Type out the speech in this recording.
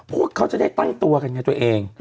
พวกเขาจะได้ตั้งตัวกันไงตัวเอง